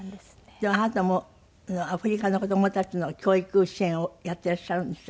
でもあなたもアフリカの子供たちの教育支援をやっていらっしゃるんでしょ？